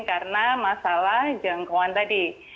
karena masalah jangkauan tadi